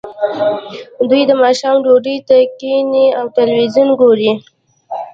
دوی د ماښام ډوډۍ ته کیښني او تلویزیون ګوري